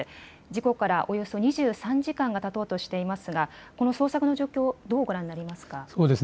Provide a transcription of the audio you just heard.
事故からおよそ２３時間がたとうとしていますがこの捜索の状況、どうご覧になりますか。